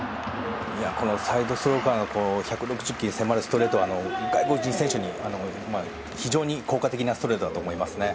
このサイドスローからの１６０キロに迫るストレートは外国人選手に非常に効果的なストレートだと思いますね。